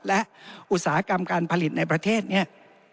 และอุตสาหกรรมการผลิตในประเทศนี้